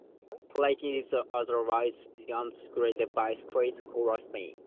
Plait is otherwise unrecorded by historical chronicles.